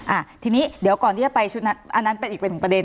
อ่าทีนี้เดี๋ยวก่อนที่จะไปชุดนั้นอันนั้นเป็นอีกเป็นประเด็